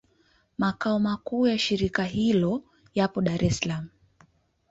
Makao makuu ya shirika hilo yapo Dar es Salaam.